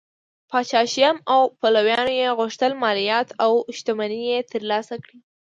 پاچا شیام او پلویانو یې غوښتل مالیات او شتمنۍ ترلاسه کړي